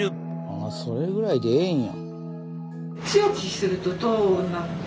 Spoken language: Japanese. それぐらいでええんや。